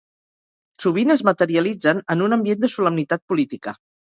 Sovint es materialitzen en un ambient de solemnitat política